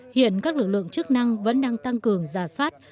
hiện các lực lượng chức năng vẫn đang tăng cường giả soát